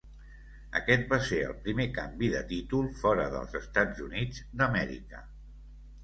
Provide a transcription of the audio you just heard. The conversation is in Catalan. Aquest va ser el primer canvi de títol fora dels Estats Units d'Amèrica.